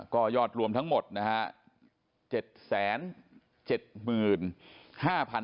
ก็ยอดรวมทั้งหมดนะฮะ